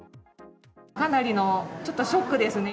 かなりの、ちょっとショックですね。